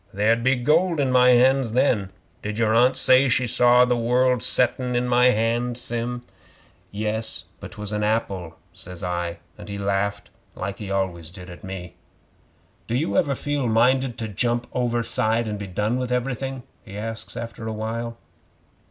There'd be gold in My hands then. Did your Aunt say she saw the world settin' in my hand, Sim?" '"Yes, but 'twas a apple," says I, and he laughed like he always did at me. "Do you ever feel minded to jump overside and be done with everything?" he asks after a while.